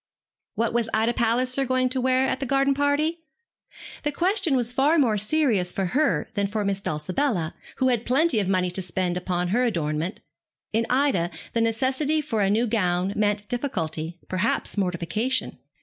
What was Ida Palliser going to wear at the garden party? The question was far more serious for her than for Miss Dulcibella, who had plenty of money to spend upon her adornment. In Ida the necessity for a new gown meant difficulty, perhaps mortification.